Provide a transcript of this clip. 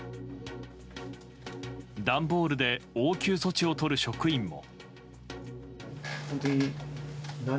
段ボールで応急措置をとる職員も。